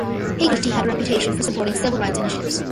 Hagerty had a reputation for supporting civil rights initiatives.